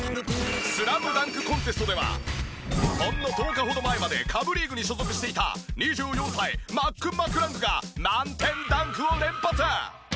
スラムダンクコンテストではほんの１０日程前まで下部リーグに所属していた２４歳マック・マクラングが満点ダンクを連発。